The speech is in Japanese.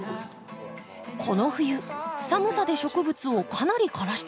この冬寒さで植物をかなり枯らしてしまったんだとか。